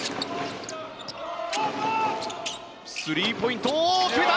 スリーポイント、決めた！